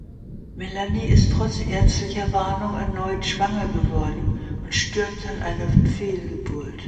Melanie ist trotz ärztlicher Warnung erneut schwanger geworden und stirbt an einer Fehlgeburt.